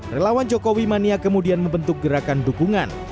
relawan jokowi mania kemudian membentuk gerakan dukungan